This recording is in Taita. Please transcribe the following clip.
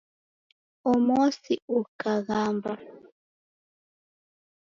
Amosi ukaghamba